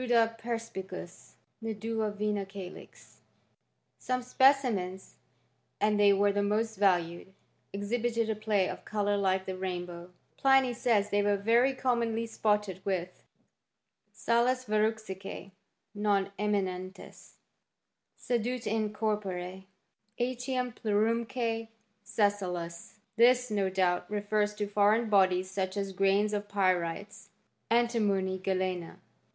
Prodat perBpicuus ne duo vinacalix, Some specimens, and they were the most valued, ex hibited a play of colour like the rainbow: Pliny says ihey were very commonly spotted with " sales, verrucse que non eminentes, sed iit in cprpore etiam plerumque sessiles." TTiis, no doubt, refers to foreign bodies, such as grains of pyrites, antimony, galena, ic, • Plibu £U«t.